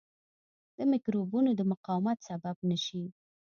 د مکروبونو د مقاومت سبب نه شي.